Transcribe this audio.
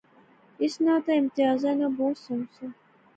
اس ناں تہ امتیاز ناں بہوں سنگ سا